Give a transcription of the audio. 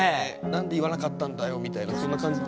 何で言わなかったんだよみたいなそんな感じ？